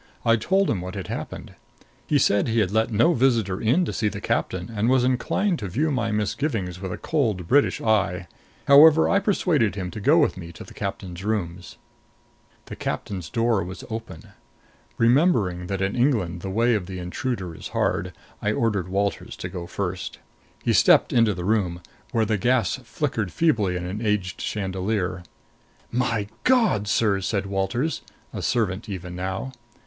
I told him what had happened. He said he had let no visitor in to see the captain, and was inclined to view my misgivings with a cold British eye. However, I persuaded him to go with me to the captain's rooms. The captain's door was open. Remembering that in England the way of the intruder is hard, I ordered Walters to go first. He stepped into the room, where the gas flickered feebly in an aged chandelier. "My God, sir!" said Walters, a servant even now.